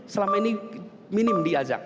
selama ini minim diajak